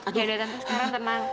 ya ya tante sekarang tenang